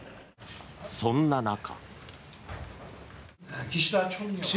そんな中。